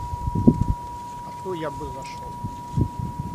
А то я бы зашел.